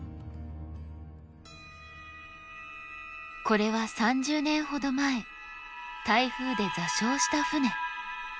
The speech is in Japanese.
これは３０年ほど前台風で座礁した船。